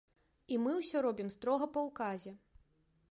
І мы ўсё робім строга па ўказе.